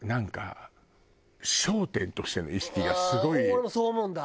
俺もそう思うんだ。